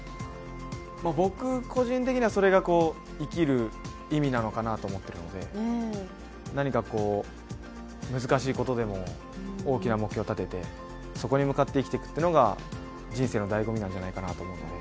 僕個人的には、それが生きる意味なのかなと思っているので、何か難しいことでも大きな目標を立ててそこに向かって生きていくっていうのが人生のだいご味なんじゃないのかなと。